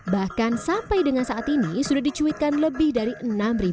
bahkan sampai dengan saat ini sudah dicuitkan lebih dari enam